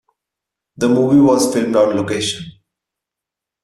The movie was filmed on location.